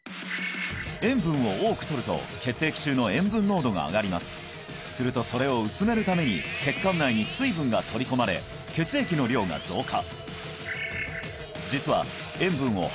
塩分を多くとると血液中の塩分濃度が上がりますするとそれを薄めるために血管内に水分が取り込まれ血液の量が増加